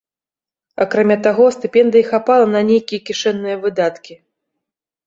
Акрамя таго, стыпендыі хапала на нейкія кішэнныя выдаткі.